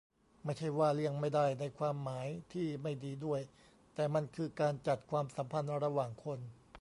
ไม่ใช่ว่า "เลี่ยงไม่ได้" ในความหมายที่ไม่ดีด้วย แต่มันคือการจัดความสัมพันธ์ระหว่างคน